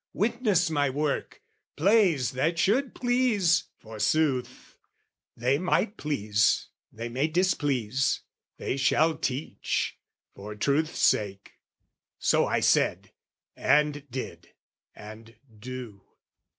"Witness my work, plays that should please, forsooth! "'They might please, they may displease, they shall teach, "'For truth's sake,' so I said, and did, and do.